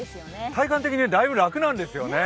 体感的にだいぶ楽なんですよね。